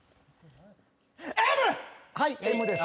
はい『Ｍ』です。